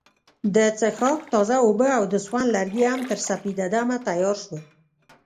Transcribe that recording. د څښاک تازه اوبه او د سون لرګي هم تر سپیده دمه تیار شول.